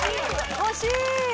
欲しい！